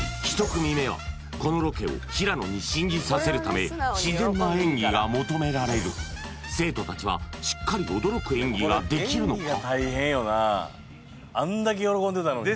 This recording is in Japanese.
１組目はこのロケを平野に信じさせるため自然な演技が求められる生徒たちはしっかり驚く演技ができるのか！？